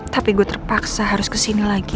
tapi gue terpaksa harus kesini lagi